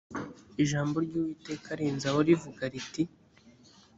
ijambo ry uwiteka rinzaho rivuga riti